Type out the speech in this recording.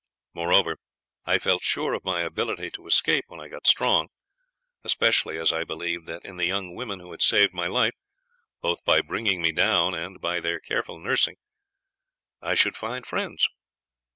Moreover, I felt sure of my ability to escape when I got strong, especially as I believed that in the young women who had saved my life, both by bringing me down and by their careful nursing, I should find friends."